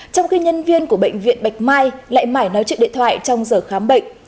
trong khi nhân viên của bệnh viện bạch mai lại mãi nói chuyện điện thoại trong giờ khám bệnh